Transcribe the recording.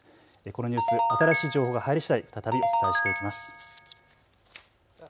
このニュース、新しい情報が入りしだい再びお伝えしていきます。